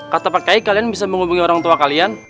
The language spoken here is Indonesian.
kata pak kiai kalian bisa menghubungi orang tua kalian